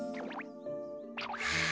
はあ。